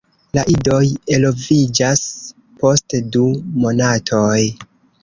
La idoj eloviĝas post du monatoj.